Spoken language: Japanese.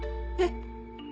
えっ？